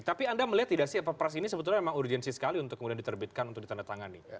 tapi anda melihat tidak sih perpres ini sebetulnya memang urgensi sekali untuk kemudian diterbitkan untuk ditandatangani